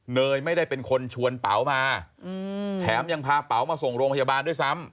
เนยไม่ได้เป็นคนชวนเป๋ามาแถมยังพาเป๋ามาส่งโรงพยาบาลด้วยซ้ำ